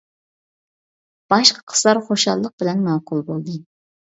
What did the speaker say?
باشقا قىزلار خۇشاللىق بىلەن ماقۇل بولدى.